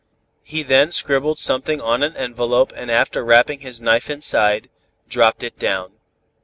He then scribbled something on an envelope and after wrapping his knife inside, dropped it down.